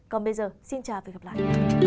còn bây giờ xin chào và hẹn gặp lại